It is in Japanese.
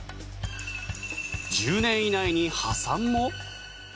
１０年以内に破産も？